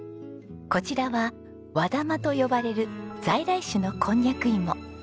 こちらは和玉と呼ばれる在来種のこんにゃく芋。